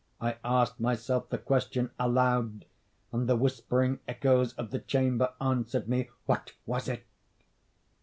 I asked myself the question aloud, and the whispering echoes of the chamber answered me,—"_What was it?